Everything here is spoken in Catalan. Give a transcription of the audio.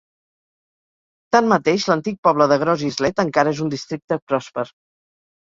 Tanmateix, l'antic poble de Gros Islet encara és un districte pròsper.